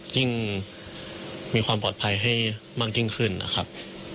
ยิ่งมีความปลอดภัยให้มากยิ่งขึ้นนะครับ